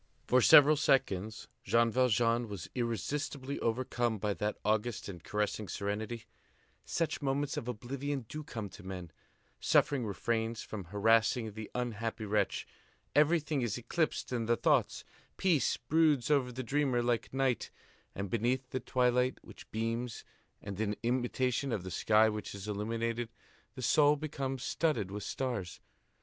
For several seconds, Jean Valjean was irresistibly overcome by that august and caressing serenity; such moments of oblivion do come to men; suffering refrains from harassing the unhappy wretch; everything is eclipsed in the thoughts; peace broods over the dreamer like night; and, beneath the twilight which beams and in imitation of the sky which is illuminated, the soul becomes studded with stars.